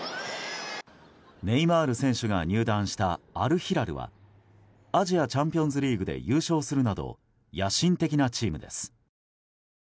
ネイマール選手が入団したアルヒラルはアジアチャンピオンズリーグで優勝するなど野心的なチームです。